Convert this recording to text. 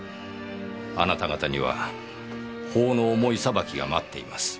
あなた方には法の重い裁きが待っています。